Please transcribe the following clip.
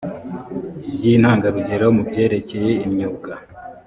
by intangarugero mu byerekeye imyuga